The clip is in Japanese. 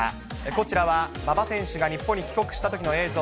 こちらは馬場選手が日本に帰国したときの映像。